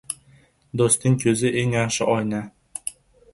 • Do‘stning ko‘zi ― eng yaxshi oyna.